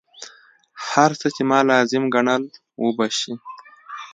هر څه چې ما لازم ګڼل وبه شي.